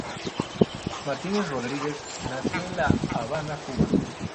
Martínez Rodríguez nació en La Habana, Cuba.